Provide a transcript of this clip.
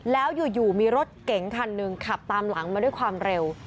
แล้วอยู่มีรถเก๋งคันหนึ่งขับตามหลังมาด้วยความเร็ว